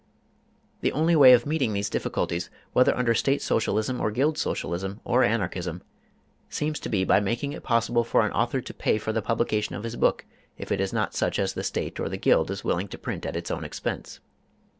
The only way of meeting these difficulties, whether under State Socialism or Guild Socialism or Anarchism, seems to be by making it possible for an author to pay for the publication of his book if it is not such as the State or the Guild is willing to print at its own expense.